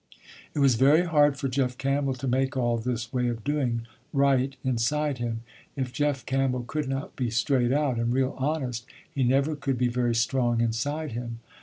It was very hard for Jeff Campbell to make all this way of doing, right, inside him. If Jeff Campbell could not be straight out, and real honest, he never could be very strong inside him.